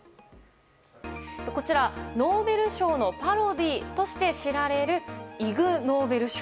こちら、ノーベル賞のパロディーとして知られるイグ・ノーベル賞。